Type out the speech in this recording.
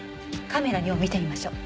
カメラ２を見てみましょう。